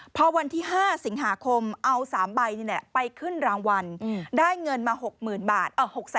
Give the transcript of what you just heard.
พอวันที่๕สิงหาคมเอา๓ใบนี่แหละไปขึ้นรางวัลได้เงินมา๖๐๐๐บาท